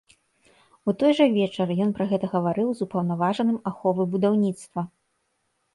У той жа вечар ён пра гэта гаварыў з упаўнаважаным аховы будаўніцтва.